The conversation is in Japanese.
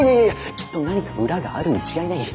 きっと何か裏があるに違いない。